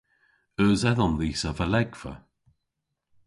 Eus edhom dhis a valegva?